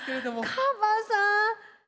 カバさん。